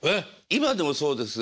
今でもそうです。